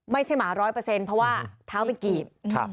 หมาร้อยเปอร์เซ็นต์เพราะว่าเท้าไปกรีด